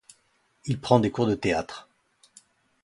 Il prend des cours de théâtre.